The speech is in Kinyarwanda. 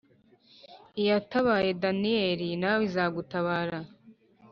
Iyatabaye Daniyeli nawe izagutabara